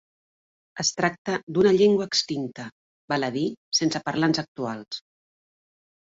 Es tracta d'una llengua extinta, val a dir, sense parlants actuals.